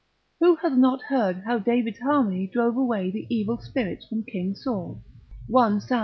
Who hath not heard how David's harmony drove away the evil spirits from king Saul, 1 Sam.